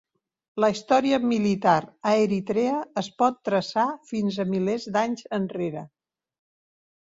La història militar a Eritrea es pot traçar fins a milers d'anys enrere.